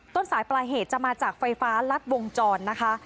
ต้นสายปลายเหตุจะมาจากไฟฟ้ารัดวงจรนะคะ